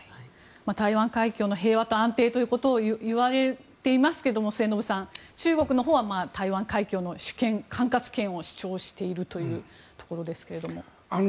台湾海峡の平和と安定ということが言われていますが中国のほうは台湾海峡の主権管轄権を主張しているというところですけれども。